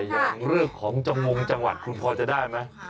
อย่างเรื่องของจังงงจังหวัดคุณพอจะได้ไหม